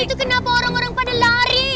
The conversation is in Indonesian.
itu kenapa orang orang pada lari